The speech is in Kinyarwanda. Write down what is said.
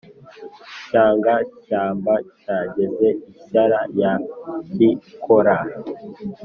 cyanga-shyamba cya ngeze i shyara ya kikora,